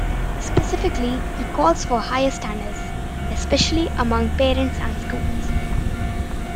Specifically, he calls for higher standards, especially among parents and schools.